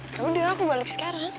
yaudah aku balik sekarang